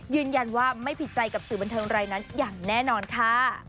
ยืนยันว่าไม่ผิดใจกับสื่อบันเทิงรายนั้นอย่างแน่นอนค่ะ